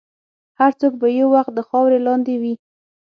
هر څوک به یو وخت د خاورې لاندې وي.